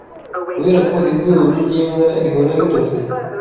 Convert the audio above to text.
Kubera ko izuru ry’imbwa rihora ritose